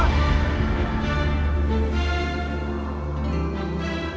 tika tidak mau